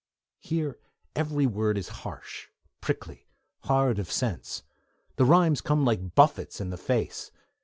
Here every word is harsh, prickly, hard of sense; the rhymes come like buffets in the face.